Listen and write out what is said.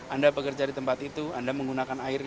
anda bekerja di tempat itu anda menggunakan air